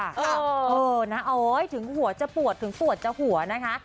เออนะโอ๊ยถึงหัวจะปวดถึงปวดจะหัวนะคะ